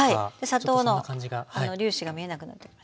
砂糖の粒子が見えなくなってきましたね。